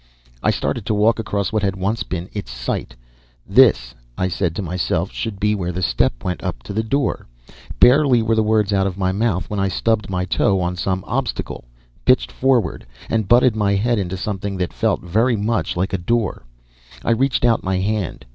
I started to walk across what had once been its site. "This," I said to myself, "should be where the step went up to the door." Barely were the words out of my mouth when I stubbed my toe on some obstacle, pitched forward, and butted my head into something that FELT very much like a door. I reached out my hand.